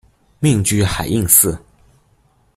命居海印寺。